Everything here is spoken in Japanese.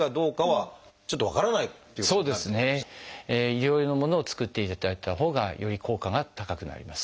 医療用のものを作っていただいたほうがより効果が高くなります。